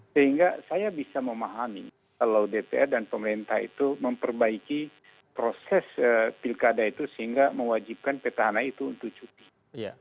sehingga saya bisa memahami kalau dpr dan pemerintah itu memperbaiki proses pilkada itu sehingga mewajibkan petahana itu untuk cuti